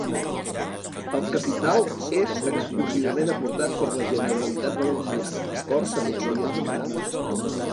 El capital és exclusivament aportat per la Generalitat Valenciana, d'acord amb la llei esmentada.